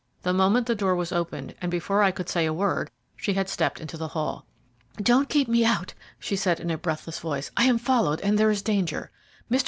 The moment the door was opened, and before I could say a word, she had stepped into the hall. "Don't keep me out," she said, in a breathless voice; "I am followed, and there is danger. Mr.